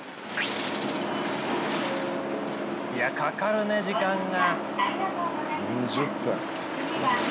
いやかかるね時間が。